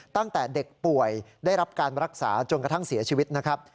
ตั้งแต่เด็กป่วยได้รับการรักษาจนกระทั่งเสียชีวิตนะครับ